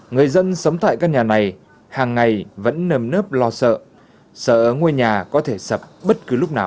người dân sống tại căn nhà này hàng ngày vẫn nầm nớp lo sợ ngôi nhà có thể sập bất cứ lúc nào